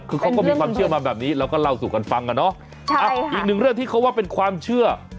คือเขาก็มีความเชื่อมาแบบนี้เราก็เล่าสู่กันฟังอ่ะเนอะอีกหนึ่งเรื่องที่เขาว่าเป็นความเชื่อ